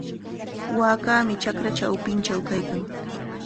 Waakami chakra chawpinchaw kaykan.